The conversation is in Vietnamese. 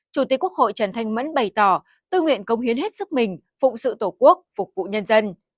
chủ tịch quốc hội trần thanh mẫn bày tỏ tự nguyện công hiến hết sức mình phụng sự tổ quốc phục vụ nhân dân